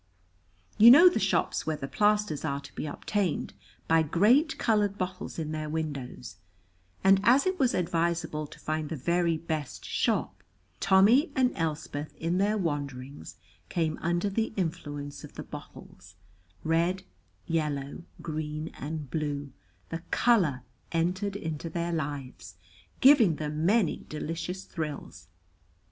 You know the shops where the plasters are to be obtained by great colored bottles in their windows, and, as it was advisable to find the very best shop, Tommy and Elspeth in their wanderings came under the influence of the bottles, red, yellow, green, and blue, and color entered into their lives, giving them many delicious thrills.